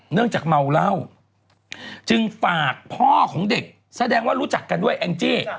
เนื่องจากเมาเล่าจึงฝากพ่อของเด็กแสดงว่ารู้จักกันด้วยแอ็งเจ๊